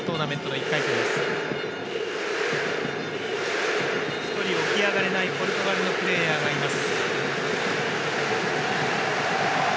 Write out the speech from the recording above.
１人、起き上がれないポルトガルのプレーヤーがいます。